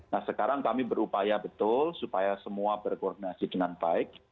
nah sekarang kami berupaya betul supaya semua berkoordinasi dengan baik